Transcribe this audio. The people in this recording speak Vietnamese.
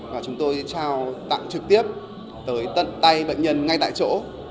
và chúng tôi trao tặng trực tiếp tới tận tay bệnh nhân ngay tại chỗ